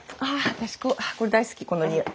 私これ大好きこのにおい。